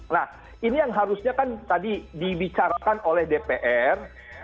nah ini yang harusnya kan tadi dibicarakan oleh dpr